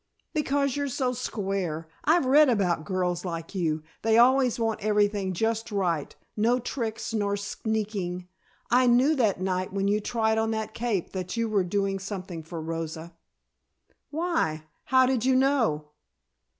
"Because you're so square. I've read about girls like you. They always want everything just right, no tricks nor sneaking. I knew that night when you tried on that cape that you were doing something for Rosa." "Why? How did you know?"